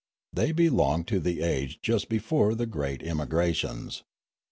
They belonged to the age just before the great emigrations.